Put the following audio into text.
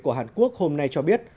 của hàn quốc hôm nay cho biết